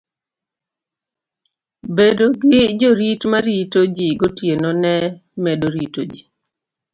Bedo gi jorit ma rito ji gotieno ne medo rito ji.